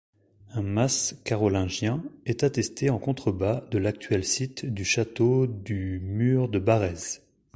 Un mas carolingien est attesté en contrebas de l'actuel site du château du Mur-de-Barrez.